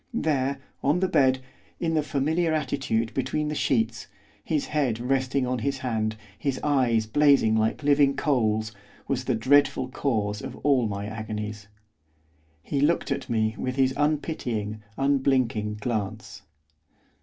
There, on the bed, in the familiar attitude between the sheets, his head resting on his hand, his eyes blazing like living coals, was the dreadful cause of all my agonies. He looked at me with his unpitying, unblinking glance.